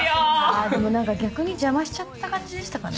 あでも何か逆に邪魔しちゃった感じでしたかね？